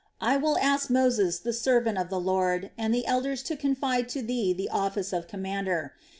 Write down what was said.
I will ask Moses, the servant of the Lord, and the elders to confide to thee the office of commander.